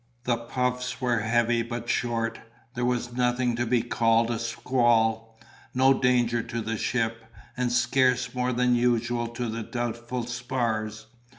The puffs were heavy but short; there was nothing to be called a squall, no danger to the ship, and scarce more than usual to the doubtful spars.